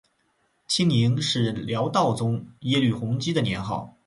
清宁是辽道宗耶律洪基的年号。